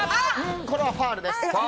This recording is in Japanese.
これはファウル。